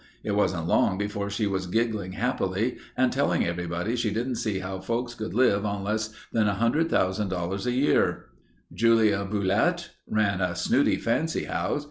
It wasn't long before she was giggling happily and telling everybody she didn't see how folks could live on less than $100,000 a year." "Julia Bulette? Ran a snooty fancy house.